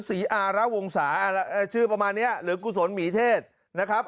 อาระวงศาชื่อประมาณนี้หรือกุศลหมีเทศนะครับ